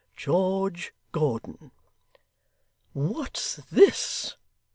GEORGE GORDON.' 'What's this!